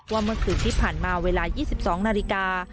เมื่อคืนที่ผ่านมาเวลา๒๒นาฬิกา